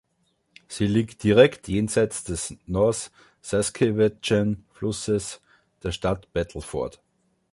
Sie liegt direkt jenseits des North Saskatchewan-Flusses der Stadt Battleford.